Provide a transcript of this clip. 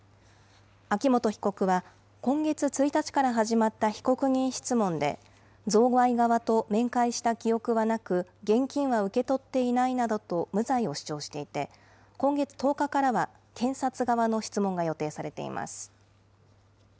秋元被告は、今月１日から始まった被告人質問で、贈賄側と面会した記憶はなく、現金は受け取っていないなどと無罪を主張していて、今月１０日からは検察側の質問が予定されています。